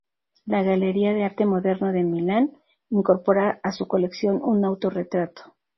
La Galería de Arte Moderno de Milán incorpora a su colección un autorretrato.